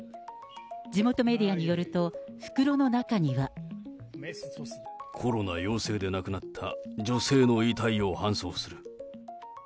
地元メディアによると、袋の中には。コロナ陽性で亡くなった女性の遺体を搬送する。